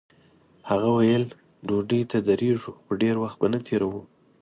هغه ویل ډوډۍ ته درېږو خو ډېر وخت به نه تېروو.